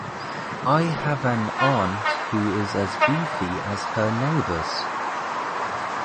I have an aunt who is as beefy as her neighbors.